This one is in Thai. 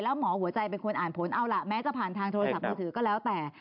แล้วหมอหัวใจเป็นคนอ่านผลเอาล่ะแม้จะผ่านทางโทรศัพท์มือถือก็แล้วแต่